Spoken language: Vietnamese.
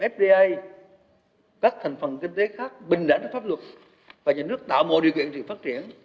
fdi các thành phần kinh tế khác bình đẳng với pháp luật và nhà nước tạo mọi điều kiện để phát triển